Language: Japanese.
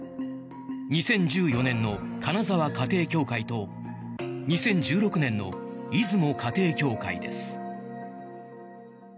２０１４年の金沢家庭教会と２０１６年の出雲家庭教会です。